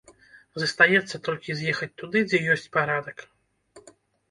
Застаецца толькі з'ехаць туды, дзе ёсць парадак.